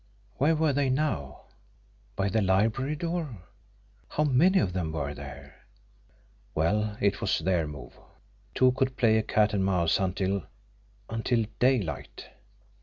Where were they now? By the library door? How many of them were there? Well, it was their move! Two could play at cat and mouse until until DAYLIGHT!